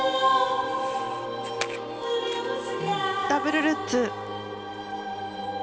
ダブルルッツ。